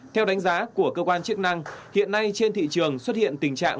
theo đánh giá của cơ quan chức năng hiện nay trên thị trường xuất hiện tình trạng